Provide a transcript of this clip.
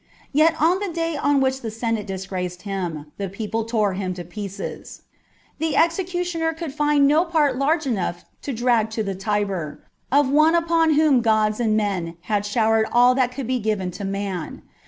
Yet on the day on which the Senate disgraced him, the people tore him to pieces : the executioner ^ could find no part left large enough to drag to the Tiber, of one upon whom gods and men had showered all that could be given to man.